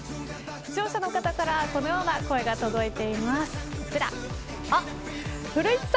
視聴者の方からこのような声が届いています。